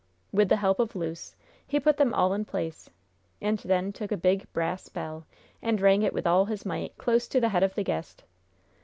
With the help of Luce, he put them all in place, and then took a big, brass bell, and rang it with all his might close to the head of the guest.